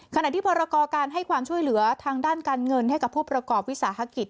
ขณะที่พรกรการให้ความช่วยเหลือทางด้านการเงินให้กับผู้ประกอบวิสาหกิจ